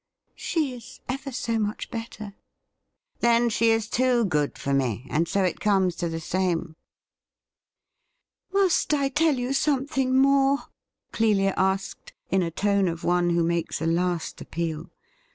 * She is ever so much better.' ' Then, she is too good for me, and so it comes to the same.' ' Must I tell you something more .?' Clelia asked, in a tone of one who makes a last appeal.